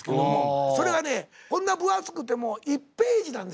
それがねこんな分厚くても１ページなんですよ。